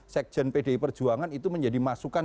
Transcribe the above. sekjen pdi perjuangan itu menjadi masukan